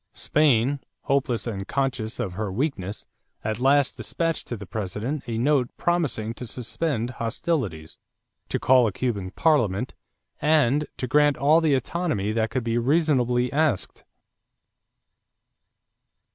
Spain, hopeless and conscious of her weakness, at last dispatched to the President a note promising to suspend hostilities, to call a Cuban parliament, and to grant all the autonomy that could be reasonably asked.